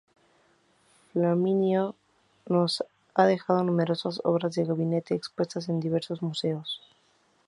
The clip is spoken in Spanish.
Flaminio nos ha dejado numerosas obras de gabinete, expuestas en diversos museos.